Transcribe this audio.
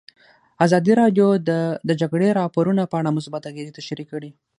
ازادي راډیو د د جګړې راپورونه په اړه مثبت اغېزې تشریح کړي.